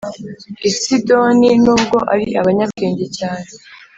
I Sidoni nubwo ari abanyabwenge cyane